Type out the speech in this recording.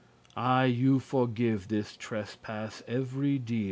I you forgive this trespass *every deal*.